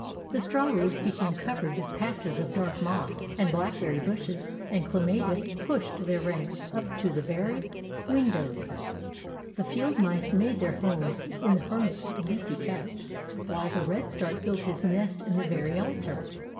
The straw roof became covered with patches of dark moss, and blackberry bushes and clematis pushed their rank way up to the very Tales of Modern Germany 115 windows. The field mice made their homes in the hermit's leafy couch, while the red start built his nest in the very altar.